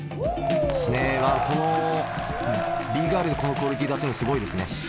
ＢＧＩＲＬでこのクオリティー出せるのすごいですね。